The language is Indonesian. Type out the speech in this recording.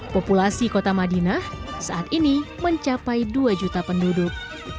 populasi kota madinah saat ini mencapai dua juta penduduk